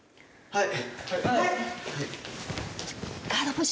はい！